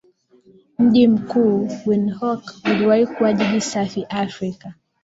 Mji mkuu Windhoek uliwahi kuwa jiji safi Afrika